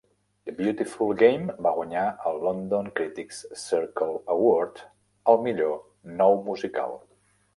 The Beautiful Game va guanyar el London Critics Circle Award al millor nou musical.